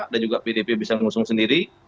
ada juga pdp bisa ngusung sendiri